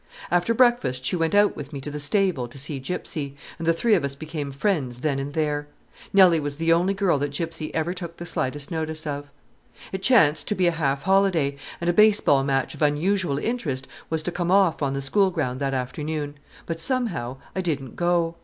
After breakfast she went out with me to the stable to see Gypsy, and the three of us became friends then and there. Nelly was the only girl that Gypsy ever took the slightest notice of. It chanced to be a half holiday, and a baseball match of unusual interest was to come off on the school ground that afternoon; but, somehow, I didn't go.